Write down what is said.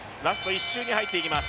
１周に入っていきます。